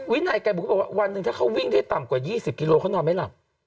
วินัยไกล้บุตรวันหนึ่งถ้าเขาวิ่งด้วยต่ำกว่า๒๐กิโลเขานอนไม่ลำ